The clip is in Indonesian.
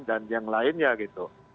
dan yang lainnya gitu